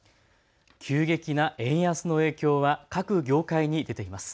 急激な円安の影響は各業界に出ています。